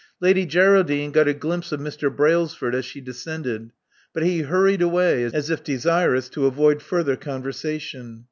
Lady Geraldine got a glimpse of Mr. Brailsford as she descended; but he hurried away, as if desirous to avoid further conversation.